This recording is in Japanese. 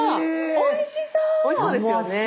おいしそうですよね。